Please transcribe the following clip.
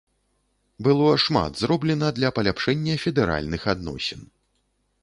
Было шмат зроблена для паляпшэння федэральных адносін.